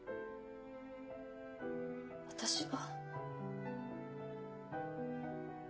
私は。